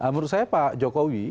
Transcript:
menurut saya pak jokowi